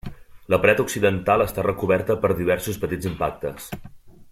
La paret occidental està recoberta per diversos petits impactes.